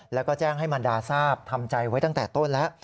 แล้วก็แจ้งให้มันดาทราบทำใจไว้ตั้งแต่ต้นแล้ว